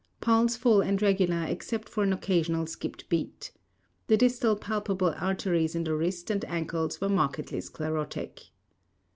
Pulse full and regular except for an occasional skipped beat. The distal palpable arteries in the wrist and ankles were markedly sclerotic.